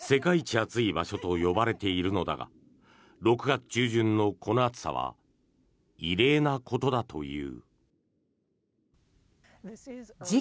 暑い場所と呼ばれているのだが６月中旬のこの暑さは異例なことだという。